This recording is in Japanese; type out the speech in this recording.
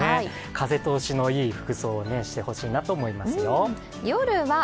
風通しのいい服装をしてほしいなと思いますよ。